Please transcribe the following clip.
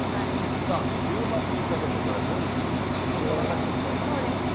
さあ、週末にかけてこれ、本州ずっと続くんでしょ、そうです。